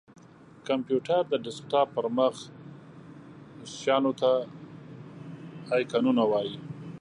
کمپېوټر:د ډیسکټاپ پر مخ شېانو ته آیکنونه وایې!